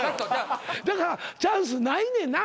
だからチャンスないねんな？